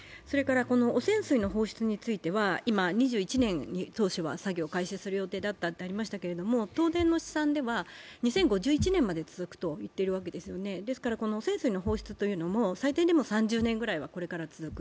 汚染水の放出については２１年に当初は作業を開始する予定だったとありましたが、東電の試算では、２０５１年まで続くといってるわけですよねですのでこの汚染水が出るのも最低でも３０年くらいはこれからも続く。